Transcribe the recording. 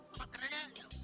kakak kenapa sih